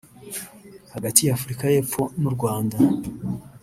hagati ya Afurika y’Epfo n’u Rwanda